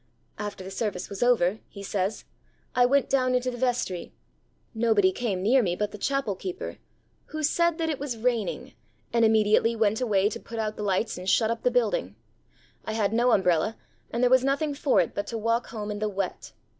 'After the service was over,' he says, 'I went down into the vestry. Nobody came near me but the chapel keeper, who said that it was raining, and immediately went away to put out the lights and shut up the building. I had no umbrella, and there was nothing for it but to walk home in the wet.